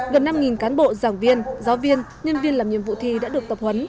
gần năm cán bộ giảng viên giáo viên nhân viên làm nhiệm vụ thi đã được tập huấn